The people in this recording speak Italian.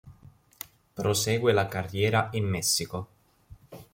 Prosegue la carriera in Messico.